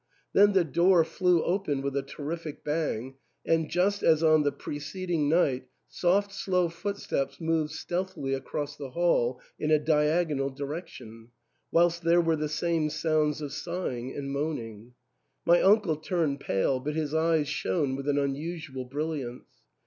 Then the door flew open with a terrific bang, and, just as on the pre ceding night, soft slow footsteps moved stealthily across the hall in a diagonal direction, whilst there were the same sounds of sighing and moaning. My uncle turned pale, but his eyes shone with an unusual brilliance.